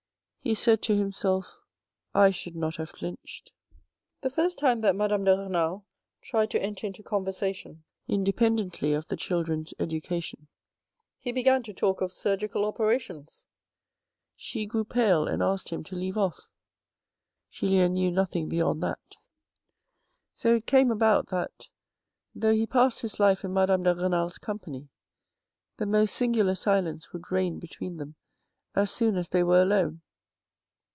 He said to himself. " I should not have flinched." The first time that Madame de Renal tried to enter into conversation independently of the children's education, he began to talk of surgical operations. She grew pale and asked him to leave off. Julien knew nothing beyond that. So it came about that, though he passed his life in Madame de Renal's company, the most singular silence would reign between them as soon as they were alone.